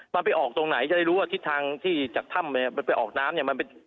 มันไปออกตรงไหนจะได้รู้ว่าทิศทางที่จากถ้ำไปออกน้ำเนี่ยมันเป็น